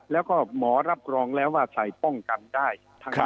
แล้วก็หมอรับรองแล้วว่าใส่ป้องกันได้